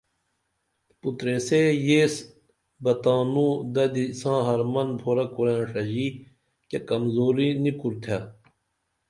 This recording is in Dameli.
پُتریسے یس بہ تانوں ددی سان ہرمن پُھرہ کُرئین ڜژی کیہ کمزوری نی کُری تھے